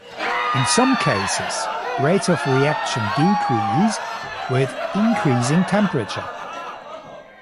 In some cases, rates of reaction "decrease" with increasing temperature.